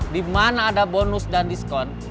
di mana ada bonus dan diskon